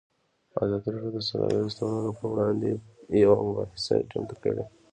ازادي راډیو د سوداګریز تړونونه پر وړاندې یوه مباحثه چمتو کړې.